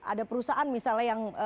ada perusahaan misalnya yang